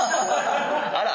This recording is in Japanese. あら。